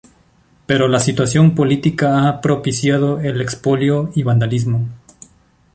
Pero la situación política ha propiciado el expolio y vandalismo.